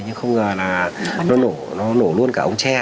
nhưng không ngờ là nó nổ luôn cả ống tre